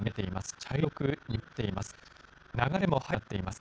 茶色く濁っています。